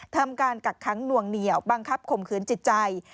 ทำการกักขังหน่วงเหนียวบังคับข่มขืนจิตใจ